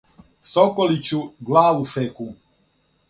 Соколићу главу секу.